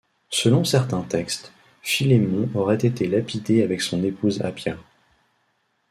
Selon certains textes, Philémon aurait été lapidé avec son épouse Appia.